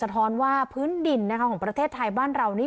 ท้อนว่าพื้นดินของประเทศไทยบ้านเรานี่